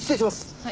はい。